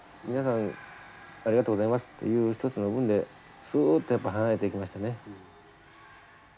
皆さんありがとうございますっていう一つの分でスッてやっぱ離れていきましたね。